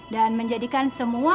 dan menjadikan semua